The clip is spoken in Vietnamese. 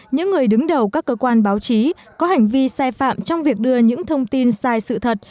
những người đứng đầu các cơ quan báo chí có hành vi sai phạm trong việc đưa những thông tin sai sự thật